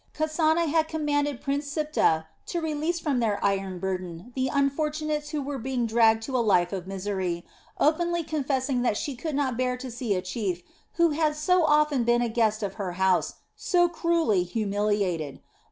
Kasana had commanded Prince Siptah to release from their iron burden the unfortunates who were being dragged to a life of misery, openly confessing that she could not bear to see a chief who had so often been a guest of her house so cruelly humiliated.